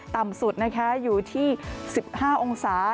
ต่ำสุดนะคะอยู่ที่๑๕องศา